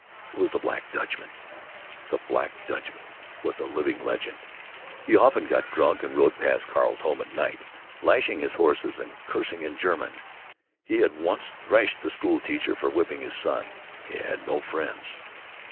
It was the Black Dutchman. The Black Dutchman was a living legend. He often got drunk and rode past Carl's home at night, lashing his horses and cursing in German. He had once thrashed the school teacher for whipping his son. He had no friends.